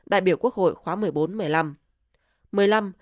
đại biểu quốc hội khóa một mươi bốn một mươi năm